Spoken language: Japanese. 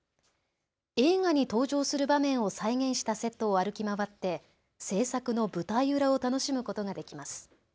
映画に登場する場面を再現したセットを歩き回って制作の舞台裏を楽しむことができます。